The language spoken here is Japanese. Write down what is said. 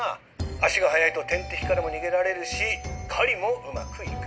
足が速いと天敵からも逃げられるし狩りも上手くいく。